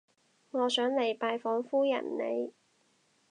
我想嚟拜訪夫人你